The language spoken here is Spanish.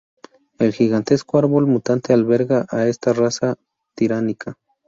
El gigantesco árbol mutante alberga a esta raza tiránica.